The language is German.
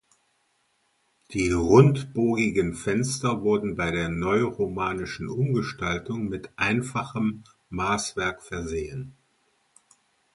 Die rundbogigen Fenster wurden bei der neuromanischen Umgestaltung mit einfachem Maßwerk versehen.